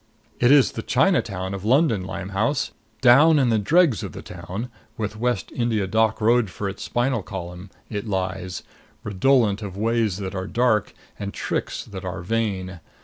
It is the Chinatown of London Limehouse. Down in the dregs of the town with West India Dock Road for its spinal column it lies, redolent of ways that are dark and tricks that are vain.